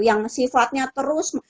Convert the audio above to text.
yang sifatnya terus